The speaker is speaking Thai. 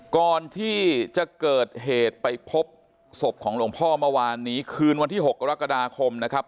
ก่อนที่จะเกิดเหตุไปพบศพของหลวงพ่อเมื่อวานนี้คืนวันที่๖กรกฎาคมนะครับ